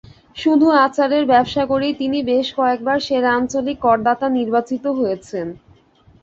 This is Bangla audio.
শুধু আচারের ব্যবসা করেই তিনি বেশ কয়েকবার সেরা আঞ্চলিক করদাতা নির্বাচিত হয়েছেন।